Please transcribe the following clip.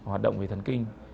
hoạt động về thần kinh